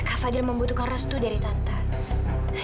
apa fadil membutuhkan restu dari tante